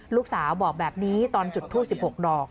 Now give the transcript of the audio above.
ลูกสาวบอกแบบนี้ตอนจุดทูป๑๖ดอก